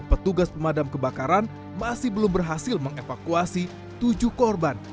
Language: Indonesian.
petugas pemadam kebakaran masih belum berhasil mengevakuasi tujuh korban